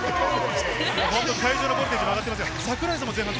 会場のボルテージが上がっていますね。